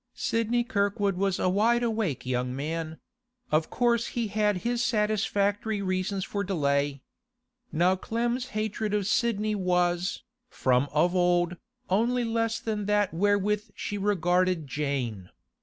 Sidney Kirkwood was a wide awake young man; of course he had his satisfactory reasons for delay. Now Clem's hatred of Sidney was, from of old, only less than that wherewith she regarded Jane.